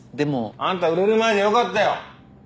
あんた売れる前で良かったよ。